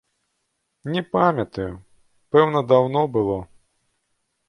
Не памятаю, пэўна, даўно было.